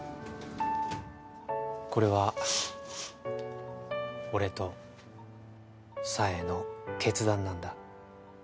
これは俺と紗江の決断なんだ